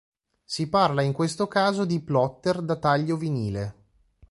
Si parla in questo caso di "plotter da taglio vinile".